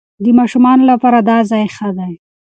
د ماشومانو لپاره دا ځای ښه دی.